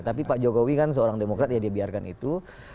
tapi pak jokowi kan seorang demokrat ya dia biarkan itu